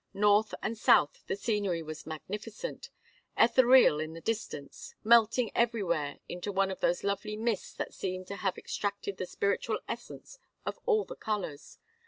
North and south the scenery was magnificent, ethereal in the distance, melting everywhere into one of those lovely mists that seem to have extracted the spiritual essence of all the colors.